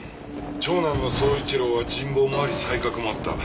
長男の宗一郎は人望もあり才覚もあった。